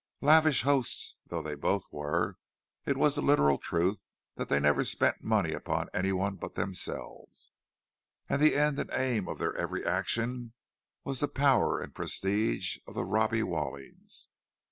Lavish hosts though they both were, it was the literal truth that they never spent money upon anyone but themselves—the end and aim of their every action was the power and prestige of the Robbie Wallings.